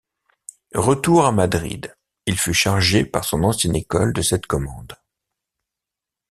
Retour à Madrid, il fut chargé par son ancienne école de cette commande.